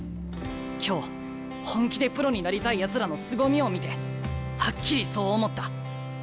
今日本気でプロになりたいやつらのすごみを見てはっきりそう思った。